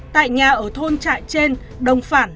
tại nhà ở thôn trại trên đồng phản